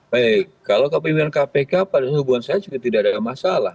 baik kalau kepimpinan kpk pada hubungan saya juga tidak ada masalah